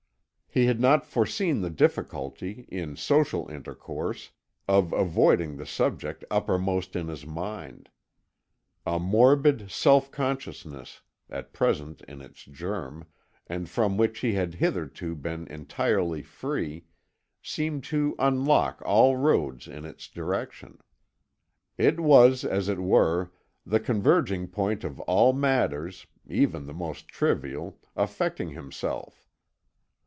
He had not foreseen the difficulty, in social intercourse, of avoiding the subject uppermost in his mind. A morbid self consciousness, at present in its germ, and from which he had hitherto been entirely free, seemed to unlock all roads in its direction. It was, as it were, the converging point of all matters, even the most trivial, affecting himself.